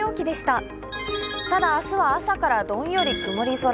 ただ明日は朝からどんより曇り空。